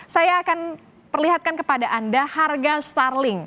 saya akan perlihatkan kepada anda harga starling